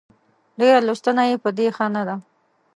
ډېره لوستنه يې په دې ښه نه ده